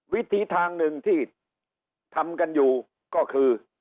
วิธีทางหนึ่งที่ทำกันอยู่ก็คือ